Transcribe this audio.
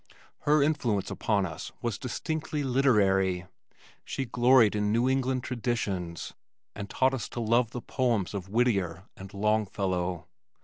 Her influence upon us was distinctly literary. She gloried in New England traditions, and taught us to love the poems of Whittier and Longfellow.